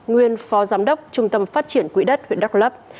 nguyên phó giám đốc trung tâm phát triển quỹ đất huyện đắk lấp